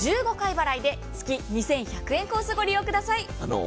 １５回払いで月２１００円コース、ご利用ください。